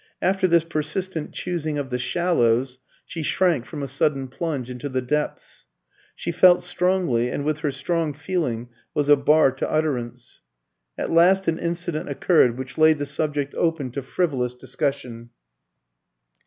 After this persistent choosing of the shallows, she shrank from a sudden plunge into the depths. She felt strongly, and with her strong feeling was a bar to utterance. At last an incident occurred which laid the subject open to frivolous discussion.